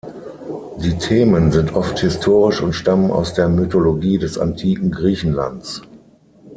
Die Themen sind oft historisch und stammen aus der Mythologie des antiken Griechenlands.